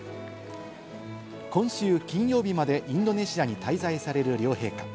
今週金曜日までインドネシアに滞在される両陛下。